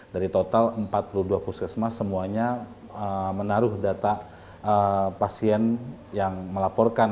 dari total empat puluh dua puskesmas semuanya menaruh data pasien yang melaporkan